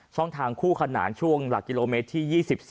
ช่องทางคู่ขนานช่วงหลักกิโลเมตรที่๒๒